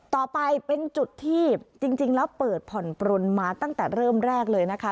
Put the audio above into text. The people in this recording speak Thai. ต่อไปเป็นจุดที่จริงแล้วเปิดผ่อนปลนมาตั้งแต่เริ่มแรกเลยนะคะ